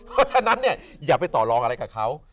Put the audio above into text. เพราะฉะนั้นเนี่ยอย่าไปต่อรองอะไรกับเขา